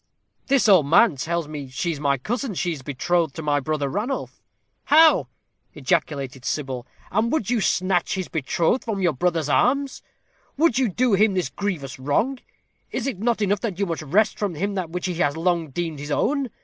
"This old man tells me she is my cousin. She is betrothed to my brother Ranulph." "How?" ejaculated Sybil. "And would you snatch his betrothed from your brother's arms? Would you do him this grievous wrong? Is it not enough that you must wrest from him that which he has long deemed his own?